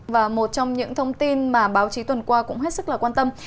và một trong những thông tin mà báo chí tuần qua cũng hết sức là quan tâm